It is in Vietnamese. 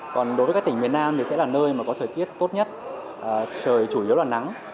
còn đối với các tỉnh miền nam thì sẽ là nơi mà có thời tiết tốt nhất trời chủ yếu là nắng